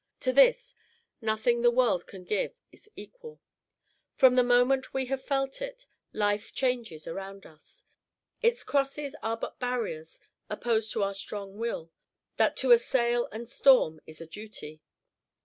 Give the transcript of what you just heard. To this, nothing the world can give is equal. From the moment we have felt it, life changes around us. Its crosses are but barriers opposed to our strong will, that to assail and storm is a duty.